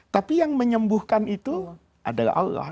tapi yang menyembuhkan itu adalah allah